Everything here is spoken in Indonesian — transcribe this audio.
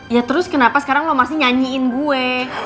ya terus kenapa sekarang lo masih nyanyiin gue